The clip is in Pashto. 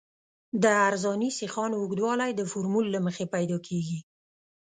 د عرضاني سیخانو اوږدوالی د فورمول له مخې پیدا کیږي